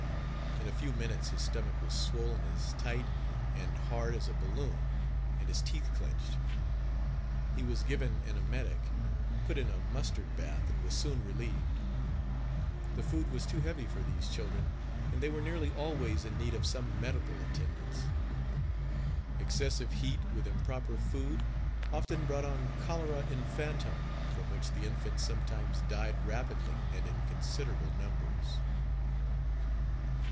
In a few minutes his stomach was swolen as tight and hard as a baloon, and his teeth clenched. He was given an emetic, put in a mustard Page 45 bath and was soon relieved. The food was too heavy for these children, and they were nearly always in need of some medical attendance. Excessive heat, with improper food, often brought on cholera infantum, from which the infants sometimes died rapidly and in considerable numbers.